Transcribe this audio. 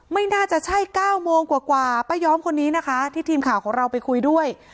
ไม่น่าจะใช่๙โมงกว่าป้าย้อมคนนี้นะคะที่ทีมข่าวของเราไปคุยด้วย